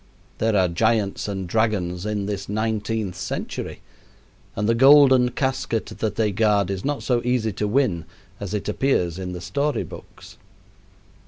There are giants and dragons in this nineteenth century, and the golden casket that they guard is not so easy to win as it appears in the story books.